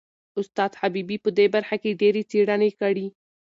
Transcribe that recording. استاد حبیبي په دې برخه کې ډېرې څېړنې کړي.